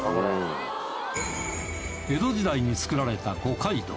江戸時代に作られた五街道。